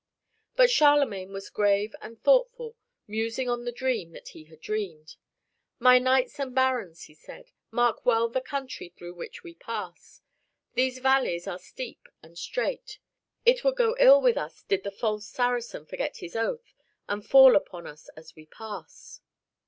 But Charlemagne was grave and thoughtful, musing on the dream that he had dreamed. "My knights and barons," he said, "mark well the country through which we pass. These valleys are steep and straight. It would go ill with us did the false Saracen forget his oath, and fall upon us as we pass.